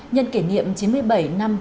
nhân kỉ niệm chín mươi bảy năm